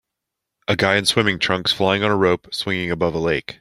A guy in swimming trunks flying on a rope swing above a lake.